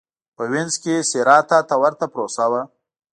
په وینز کې سېراتا ته ورته پروسه وه.